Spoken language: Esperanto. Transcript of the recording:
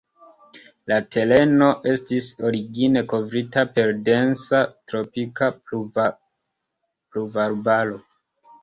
La tereno estis origine kovrita per densa tropika pluvarbaro.